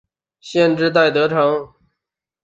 县治戴德城。